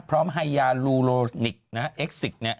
พร้อมไฮยาลูโลนิกเอกซิก